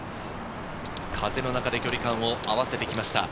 風の中で距離感を合わせてきました。